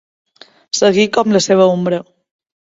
Seguir com la seva ombra.